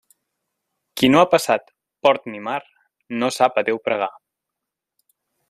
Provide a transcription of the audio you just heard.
Qui no ha passat port ni mar, no sap a Déu pregar.